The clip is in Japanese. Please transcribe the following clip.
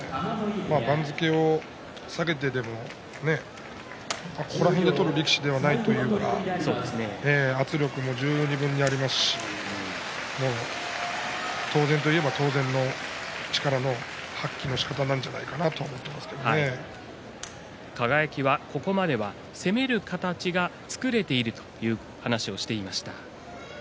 番付を下げてでも、ここら辺で取る力士ではないというか圧力も十二分にありますし当然といえば当然の力の発揮のしかたなんじゃないかな輝はここまで攻める形が作れているという話をしていました。